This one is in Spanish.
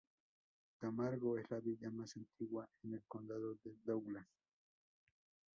Camargo es la villa más antigua en el condado de Douglas.